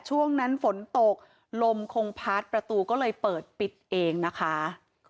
ช่วงนั้นฝนตกลมคงพัดประตูก็เลยเปิดปิดเองนะคะ